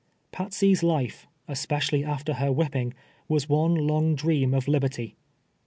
Patsey's life, especially after her whipping, was one long dream of liberty.